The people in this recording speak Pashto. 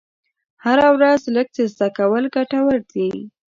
هره ورځ لږ څه زده کول ګټور دي.